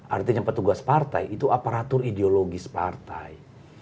artinya petugas partai itu aparatur ideologis partai